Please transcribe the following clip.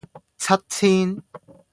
七千